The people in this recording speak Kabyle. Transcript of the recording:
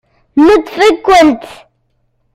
Neṭṭef-ikent.